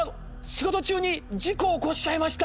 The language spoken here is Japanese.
仕事中に事故起こしちゃいました。